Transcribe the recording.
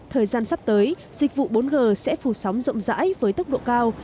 thời gian sắp tới dịch vụ bốn g sẽ phủ sóng rộng rãi với tốc độ cao